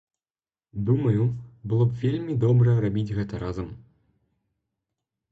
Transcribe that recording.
Думаю, было б вельмі добра рабіць гэта разам.